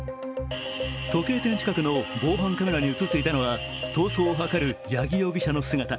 時計店近くの防犯カメラに映っていたのは逃走を図る八木容疑者の姿。